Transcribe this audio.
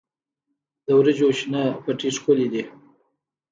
د وریجو شنه پټي ښکلي دي.